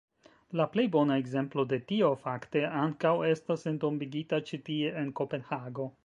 La plej bona ekzemplo de tio fakte ankaŭ estas entombigita ĉi tie en Kopenhago.